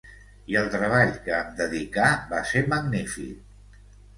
I el treball que em dedicà va ser magnífic.